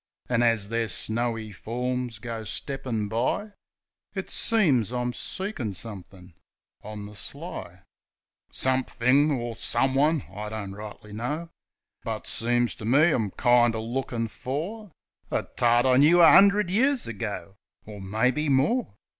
An', as their snowy forms goes steppin' by, It seems I'm seekin' somethin' on the sly. A SPRING SONG 15 Somethin' or someone — I don't rightly know; But, seems to me, I'm kind er lookin' for A tart I knoo a 'undred years ago, Or, maybe, more.